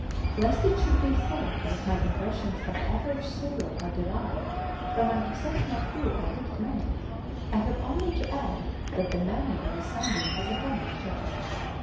Lest it should be thought that my impressions of the average sailor are derived from an exceptional crew or picked men, I have only to add that the manning of the 'Sunbeam' was a family job.